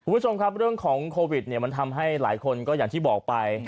คุณผู้ชมครับเรื่องของโควิดเนี่ยมันทำให้หลายคนก็อย่างที่บอกไป